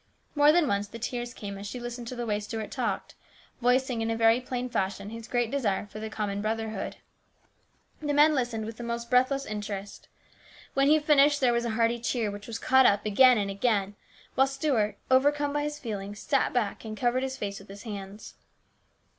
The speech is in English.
More than once the tears came as she listened to the way Stuart talked, voicing in a very plain fashion his great desire for the common brother hood. The men listened with the most breathless interest. When he finished there was a hearty cheer, which was caught up again and again, while Stuart, overcome by his feelings, sat back and covered his face with his hands.